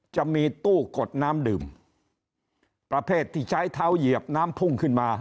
จะมีตู้กดน้ำดื่มประเภทที่ใช้เท้าเหยียบน้ำพุ่งขึ้นมา